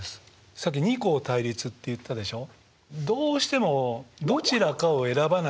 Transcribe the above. さっき二項対立って言ったでしょう？